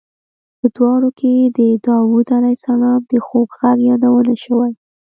په دواړو کې د داود علیه السلام د خوږ غږ یادونه شوې.